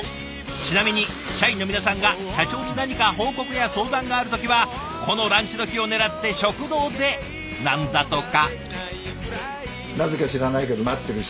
ちなみに社員の皆さんが社長に何か報告や相談がある時はこのランチ時を狙って食堂でなんだとか。